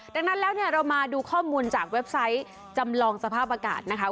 ดังนั้นแล้วเนี่ยเรามาดูข้อมูลจากเว็บไซต์จำลองสภาพอากาศนะคะ